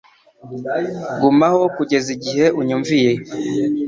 Gumaho kugeza igihe unyumviye